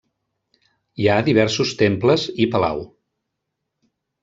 Hi ha diversos temples i palau.